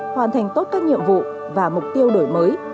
hoàn thành tốt các nhiệm vụ và mục tiêu đổi mới